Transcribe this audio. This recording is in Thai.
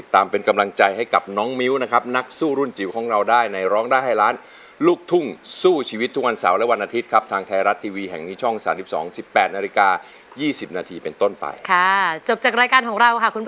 ต้องกลับมาดูว่าครั้งหน้าค่ะ